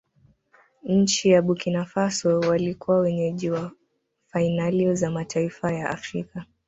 nchi ya burkina faso walikuwa wenyeji wa fainali za mataifa ya afrika